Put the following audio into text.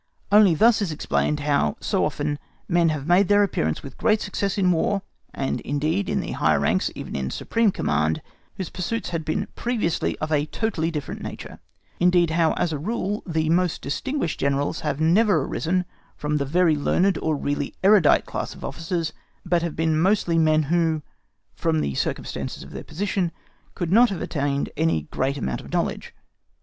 Only thus is explained how so often men have made their appearance with great success in War, and indeed in the higher ranks even in supreme Command, whose pursuits had been previously of a totally different nature; indeed how, as a rule, the most distinguished Generals have never risen from the very learned or really erudite class of officers, but have been mostly men who, from the circumstances of their position, could not have attained to any great amount of knowledge.